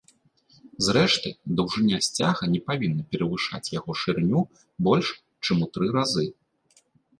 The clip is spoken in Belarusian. Зрэшты, даўжыня сцяга не павінна перавышаць яго шырыню больш, чым у тры разы.